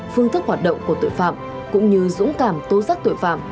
phương thức hoạt động của tội phạm cũng như dũng cảm tố giác tội phạm